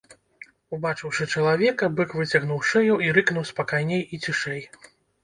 Убачыўшы чалавека, бык выцягнуў шыю і рыкнуў спакайней і цішэй.